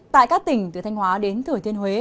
tại các tỉnh từ thanh hóa đến thừa thiên huế